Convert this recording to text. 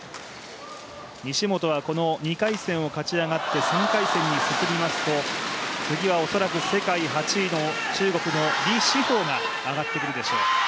西本は２回戦を勝ち上がって３回戦に進みますと次は恐らく世界８位の中国の李詩ハイが上がってくるでしょう。